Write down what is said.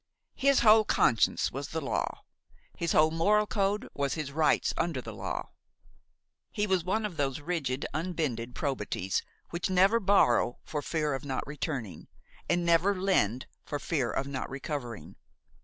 His whole conscience was the law; his whole moral code was his rights under the law. His was one of those rigid, unbending probities which never borrow for fear of not returning, and never lend for fear of not recovering.